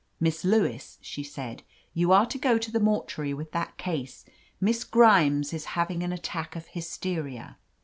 "Miss Lewis/* she said, "you are to go to the mortuary with that case. Miss Grimes is having an attack of hysteria."